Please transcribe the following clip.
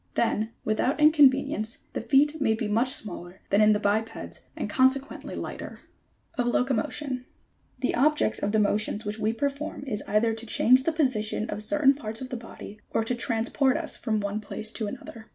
Then, without inconvenience the feet may be much smaller than in the bipeds and consequently lighter. OP LOCOMOTION. 85. The objects of the motions which we perform is either to change the position of certain parts of the body, or to transport us from one place to another.